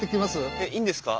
えっいいんですか？